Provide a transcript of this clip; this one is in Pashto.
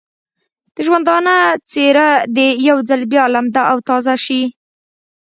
د ژوندانه څېره دې یو ځل بیا لمده او تازه شي.